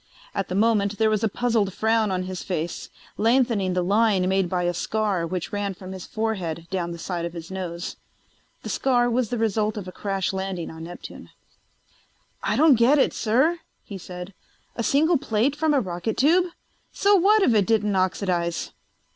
At the moment there was a puzzled frown on his face, lengthening the line made by a scar which ran from his forehead down the side of his nose. The scar was the result of a crash landing on Neptune. "I don't get it, sir," he said. "A single plate from a rocket tube ... So what if it didn't oxidize?"